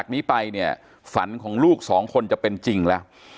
นี้ไปเนี่ยฝันของลูกสองคนจะเป็นจริงแล้ว